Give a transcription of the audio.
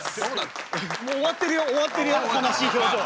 もう終わってるよ終わってるよ悲しい表情。